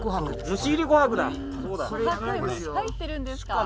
琥珀虫入ってるんですか！